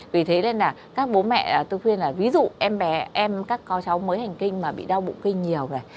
vì thế nên là các bố mẹ tôi khuyên là ví dụ em bé em các con cháu mới hành kinh mà bị đau bụng kinh nhiều rồi